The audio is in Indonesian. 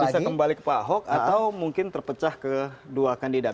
bisa kembali ke pak ahok atau mungkin terpecah ke dua kandidat